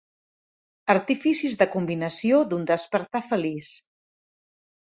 Artificis de combinació d'un despertar feliç.